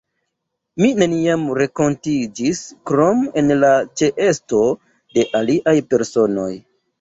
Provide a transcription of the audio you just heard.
Ni neniam renkontiĝis, krom en la ĉeesto de aliaj personoj.